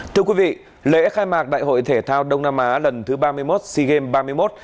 thưa quý vị lễ khai mạc đại hội thể thao đông nam á lần thứ ba mươi một sea games ba mươi một